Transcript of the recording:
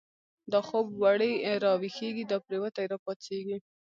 دا خوب وړی راويښږی، دا پريوتی را پا څيږی